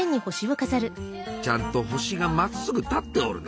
ちゃんと星がまっすぐ立っておるな。